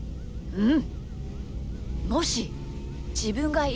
うん。